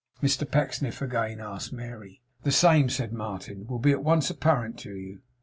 'Mr Pecksniff again?' asked Mary. 'The same,' said Martin ' will be at once apparent to you.